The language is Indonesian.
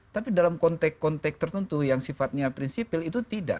tapi dalam konteks konteks tertentu yang sifatnya prinsipil itu tidak